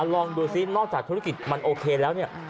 ลองดูซินอกจากธุรกิจมันโอเคแล้วเนี่ย